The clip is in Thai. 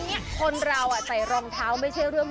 เขียวออกอ่ะคุณเคยเป็นไหม